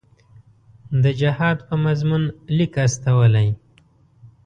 د جهاد په مضمون لیک استولی.